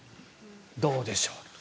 どうでしょう。